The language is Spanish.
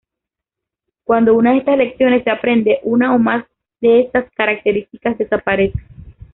Cuando una de estas lecciones se aprende, una o más de estas características desaparece.